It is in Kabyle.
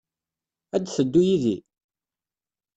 Ad d-teddu yid-i?